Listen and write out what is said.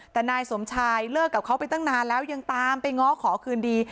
แต่นายสมชายเลิกกับเขาไปตั้งนานแล้วยังตามไปง้อขอคืนดี